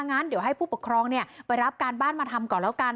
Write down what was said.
งั้นเดี๋ยวให้ผู้ปกครองไปรับการบ้านมาทำก่อนแล้วกัน